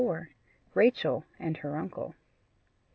RACHEL AND HER UNCLE.